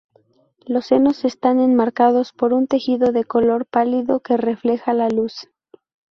Los senos están enmarcados por un tejido de color pálido, que refleja la luz.